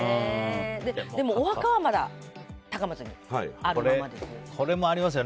お墓はまだ高松にあるままです。